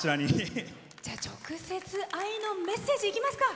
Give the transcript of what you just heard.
直接、愛のメッセージいきますか！